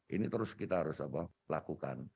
ini terus kita harus lakukan